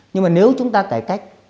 nhưng mà nếu chúng ta cải cách